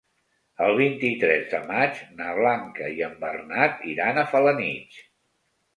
El vint-i-tres de maig na Blanca i en Bernat iran a Felanitx.